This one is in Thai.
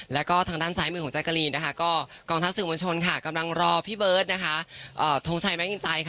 แล้วก็ทางด้านซ้ายมือของแจ๊กเกอรีนกองทัศน์สื่อมวลชนกำลังรอพี่เบิร์ดทรงชัยแม็กกินไต